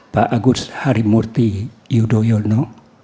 pak agus harimurti yudhoyono